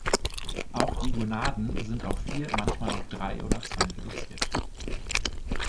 Auch die Gonaden sind auf vier, manchmal auch drei oder zwei reduziert.